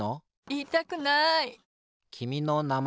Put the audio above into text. いいたくない。